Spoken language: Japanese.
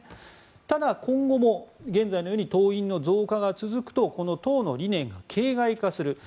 ただ、今後も現在のように党員の増加が続くとこの党の理念が形骸化する。